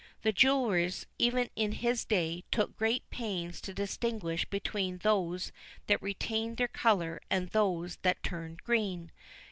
The jewellers, even in his day, took great pains to distinguish between those that retained their colour and those that turned green.